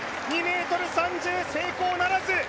２ｍ３０成功ならず。